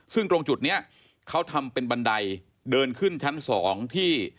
ซึ่งตรงจุดนี้เขาทำเป็นบันไดเดินขึ้นชั้น๒ที่